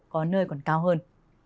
có nơi còn cao hơn